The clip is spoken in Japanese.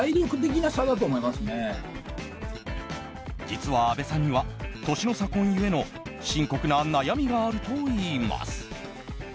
実は、あべさんには年の差婚ゆえの深刻な悩みがあるといいます。